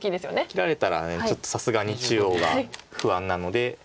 切られたらちょっとさすがに中央が不安なので。